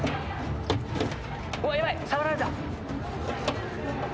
うわヤバい触られた！